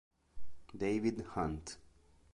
David Hunt